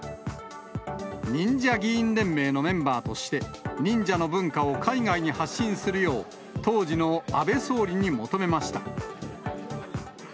忍者議員連盟のメンバーとして、忍者の文化を海外に発信するよう、当時の安倍総理に求めました。